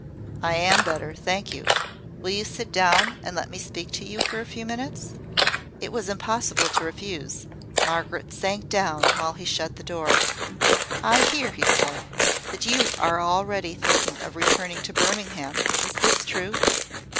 "I am better, thank you. Will you sit down, and let me speak to you for a few minutes?" It was impossible to refuse. Margaret sank down, while he shut the door. "I hear," said he, "that you are already thinking of returning to Birmingham. Is this true?"